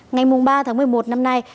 ngày ba tháng một mươi một năm nay